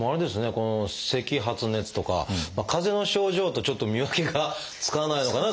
この「せき」「発熱」とかかぜの症状とちょっと見分けがつかないのかな？